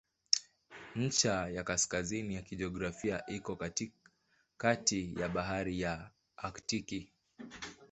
Ncha ya kaskazini ya kijiografia iko katikati ya Bahari ya Aktiki.